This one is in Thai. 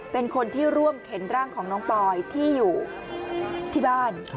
เป็นคนที่ร่วมเข็นร่างของน้องปอยที่อยู่ที่บ้าน